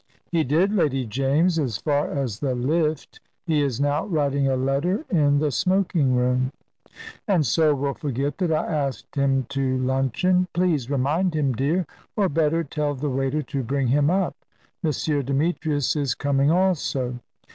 "He did, Lady James, as far as the lift. He is now writing a letter in the smoking room." "And so will forget that I asked him to luncheon. Please remind him, dear; or, better, tell the waiter to bring him up. M. Demetrius is coming also."